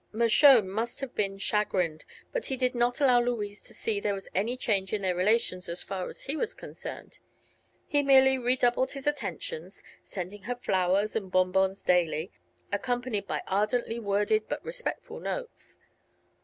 Mershone must have been chagrined, but he did not allow Louise to see there was any change in their relations as far as he was concerned. He merely redoubled his attentions, sending her flowers and bonbons daily, accompanied by ardently worded but respectful notes.